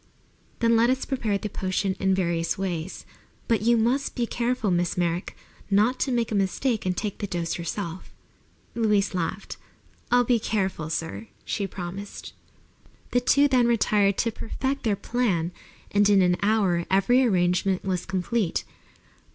"Then let us prepare the potion in various ways. But you must be careful, Miss Merrick, not to make a mistake and take the dose yourself." Louise laughed. "I'll be careful, sir," she promised. The two then retired to perfect their plan, and in an hour every arrangement was complete.